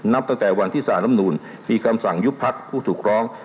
นับตั้งแต่วันที่สารลำนูลมีคำสั่งยุบพักผู้ถูกร้อง